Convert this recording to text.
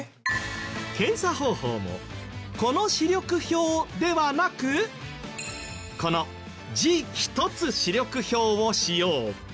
検査方法もこの視力表ではなくこの字一つ視力表を使用。